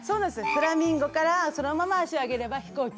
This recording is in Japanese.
フラミンゴからそのまま足を上げれば飛行機。